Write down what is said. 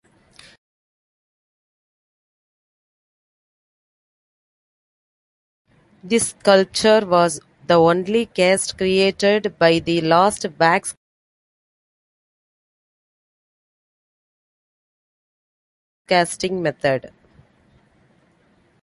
This sculpture was the only cast created by the lost-wax casting method.